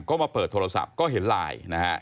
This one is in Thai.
ก็มาเปิดโทรศัพท์ก็เห็นไลน์นะฮะ